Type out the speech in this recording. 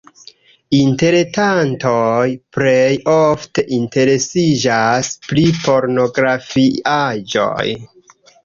Interretantoj plej ofte interesiĝas pri pornografiaĵoj.